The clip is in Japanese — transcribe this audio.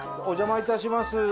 お邪魔いたします。